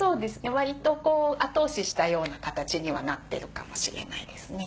わりとこう後押ししたような形にはなってるかもしれないですね。